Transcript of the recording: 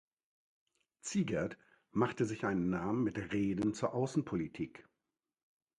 Ziegert machte sich einen Namen mit Reden zur Außenpolitik.